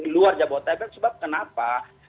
luar jabodetabek sebab kenapa